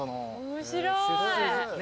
面白い。